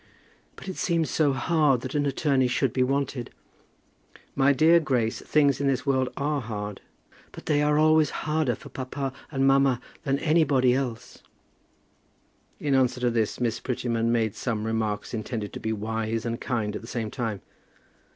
"But it seems so hard that an attorney should be wanted." "My dear Grace, things in this world are hard." "But they are always harder for papa and mamma than for anybody else." In answer to this, Miss Prettyman made some remarks intended to be wise and kind at the same time.